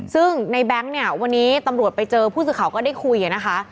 ซึ่งในแบงค์เนี่ยวันนี้ตำรวจไปเจอผู้สื่อข่าวก็ได้คุยนะคะ